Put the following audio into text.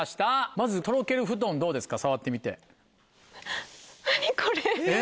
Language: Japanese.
まず「とろけるふとん」どうですか触ってみて。